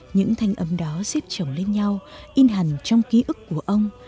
những thanh âm đó xếp trồng lên nhau in hẳn trong ký ức của ông